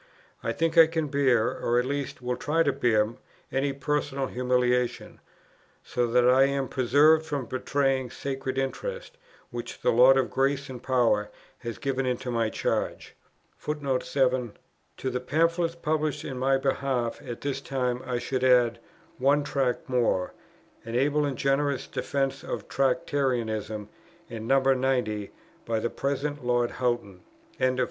I think I can bear, or at least will try to bear, any personal humiliation, so that I am preserved from betraying sacred interests, which the Lord of grace and power has given into my charge." To the Pamphlets published in my behalf at this time I should add "One Tract more," an able and generous defence of Tractarianism and No. 90, by the present Lord Houghton. CHAPTER III.